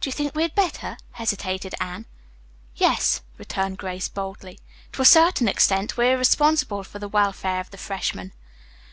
"Do you think we had better?" hesitated Anne. "Yes," returned Grace boldly. "To a certain extent we are responsible for the welfare of the freshmen."